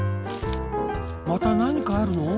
またなにかあるの？